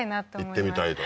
行ってみたいと？